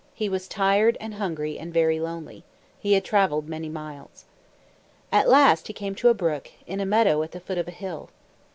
He was tired, and hungry, and very lonely. He had traveled many miles. At last he came to a brook, in a meadow at the foot of a hill.